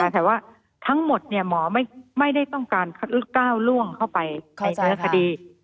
แต่ว่าทั้งหมดหมอไม่ได้ต้องการก้าวล่วงเข้าไปในเนื้อคดี